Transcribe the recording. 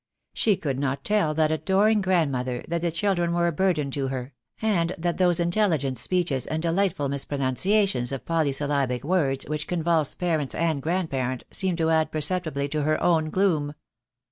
She could not tell that adoring grandmother that the children were a burden to her, and that those intelligent speeches and delightful mispronunciations of polysyllabic words which convulsed parents and grandparent seemed to add perceptibly to her own gloom.